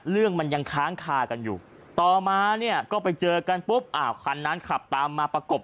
เรื่องมันยังค้างคากันอยู่ต่อมาเนี่ยก็ไปเจอกันปุ๊บอ้าวคันนั้นขับตามมาประกบ